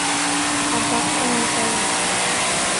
Адак кунам толат?